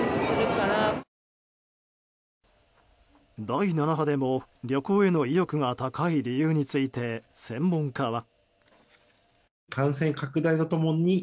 第７波でも旅行への意欲が高い理由について、専門家は。